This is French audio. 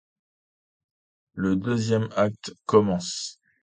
Le deuxième acte commence.